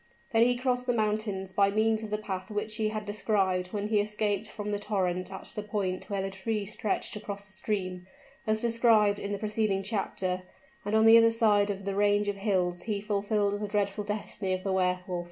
Then he crossed the mountains by means of the path which he had described when he escaped from the torrent at the point where the tree stretched across the stream, as described in the preceding chapter; and on the other side of the range of hills he fulfilled the dreadful destiny of the Wehr Wolf!